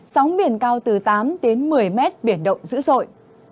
sóng biển cao từ tám một mươi m biển động dữ dội